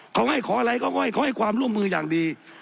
เขาให้ขออะไรก็ห้อยความร่วมมืออย่างดี